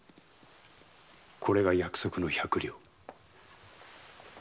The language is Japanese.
これが約束の百両。